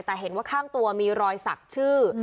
แต่เห็นว่าข้างตัวมีรอยสักชื่อ